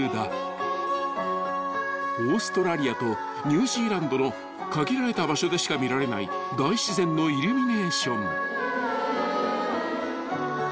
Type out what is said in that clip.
［オーストラリアとニュージーランドの限られた場所でしか見られない大自然のイルミネーション］